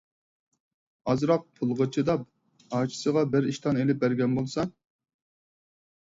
ئازراق پۇلغا چىداپ ئاچىسىغا بىر ئىشتان ئېلىپ بەرگەن بولسا.